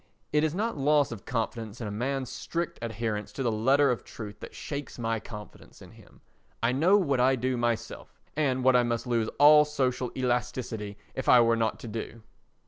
It is not loss of confidence in a man's strict adherence to the letter of truth that shakes my confidence in him. I know what I do myself and what I must lose all social elasticity if I were not to do.